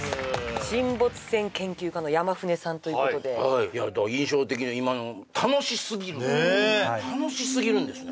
沈没船研究家の山舩さんということで印象的で今のねっ楽しすぎるんですね？